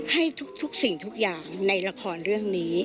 ให้ทุกสิ่งทุกอย่างในละครเรื่องนี้